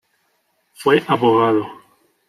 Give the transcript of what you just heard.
Fue abogado.